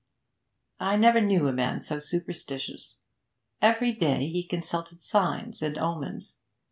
I never knew a man so superstitious. Every day he consulted signs and omens.